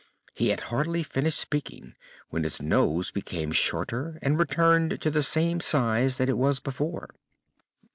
He had hardly finished speaking when his nose became shorter and returned to the same size that it was before.